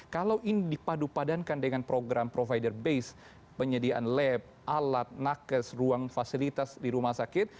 kalau ini dipadu padankan dengan program provider base penyediaan lab alat nakes ruang fasilitas di rumah sakit